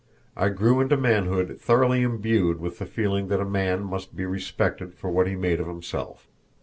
I grew into manhood thoroughly imbued with the feeling that a man must be respected for what he made of himself.